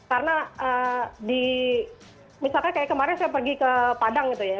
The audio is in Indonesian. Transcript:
karena di misalnya kayak kemarin saya pergi ke padang gitu ya